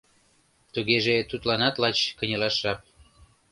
Тугеже тудланат лач кынелаш жап.